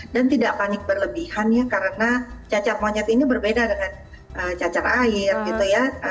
dan tidak panik berlebihan ya karena cacar monyet ini berbeda dengan cacar air gitu ya